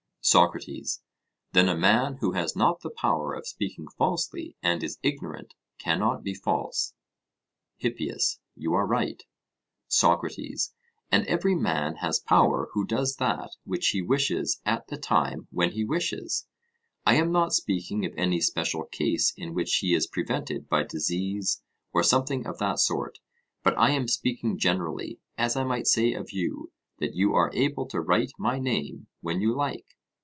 SOCRATES: Then a man who has not the power of speaking falsely and is ignorant cannot be false? HIPPIAS: You are right. SOCRATES: And every man has power who does that which he wishes at the time when he wishes. I am not speaking of any special case in which he is prevented by disease or something of that sort, but I am speaking generally, as I might say of you, that you are able to write my name when you like.